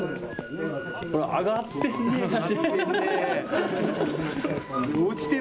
上がってるね、足。